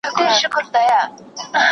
¬ سر څه په يوه لوټه سپېره، څه په شلو.